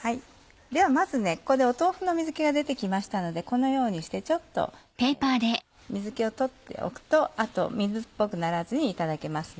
ではまずここで豆腐の水気が出て来ましたのでこのようにしてちょっと水気を取っておくとあと水っぽくならずにいただけます。